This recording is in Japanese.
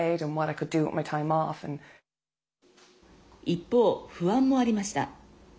一方、不安もありました。